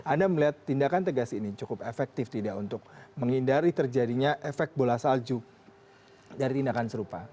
anda melihat tindakan tegas ini cukup efektif tidak untuk menghindari terjadinya efek bola salju dari tindakan serupa